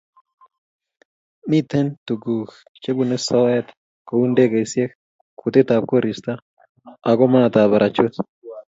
Mitei tuguuk chebunei soeet kou indegeisyek, kutetab koristo ako maatab parachute.